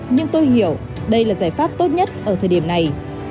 nhưng tôi hiểu đây là giải pháp tốt nhất ở thời điểm này